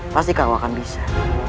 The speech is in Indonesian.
pasti kau akan bisa